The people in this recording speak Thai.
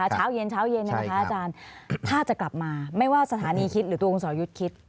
เช้าเย็นเช้าเย็นอาจารย์ถ้าจะกลับมาไม่ว่าสถานีคิดหรือตัวคุณสอยุทธ์คิด